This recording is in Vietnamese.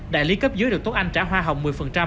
đại lý cấp dưới được tốt anh trả hoa hồng một mươi